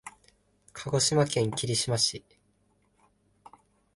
鹿児島県霧島市